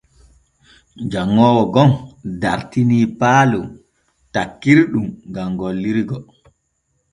Janŋoowo gom dartini paalon takkirɗum gam gollirgo.